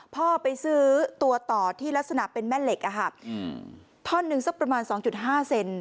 พ่อไปซื้อตัวต่อที่ลักษณะเป็นแม่เหล็กท่อนึงสักประมาณ๒๕เซน